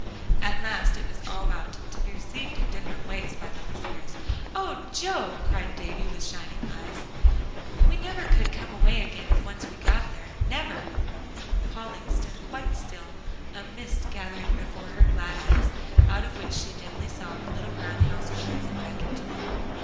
At last it was all out, to be received in different ways by the listeners. "Oh, Joe!" cried Davie with shining eyes. "We never could come away again if we once get there, never!" Polly stood quite still, a mist gathering before her glad eyes, out of which she dimly saw the little brown house arise and beckon to her.